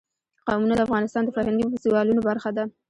قومونه د افغانستان د فرهنګي فستیوالونو برخه ده.